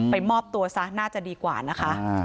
มอบตัวซะน่าจะดีกว่านะคะ